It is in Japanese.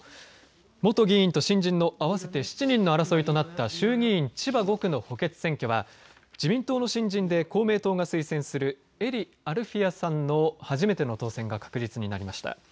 元議員と新人の合わせて７人の争いとなった衆議院千葉５区の補欠選挙は自民党の新人で公明党が推薦する英利アルフィヤさんの初めての当選が確実になりました。